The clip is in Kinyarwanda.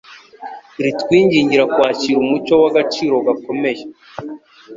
ritwingingira kwakira umucyo w’agaciro gakomeye